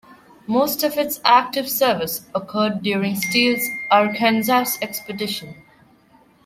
Most of its active service occurred during Steele's Arkansas Expedition.